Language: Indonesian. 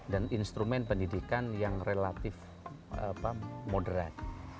dan instrumen pendidikan yang relatif moderat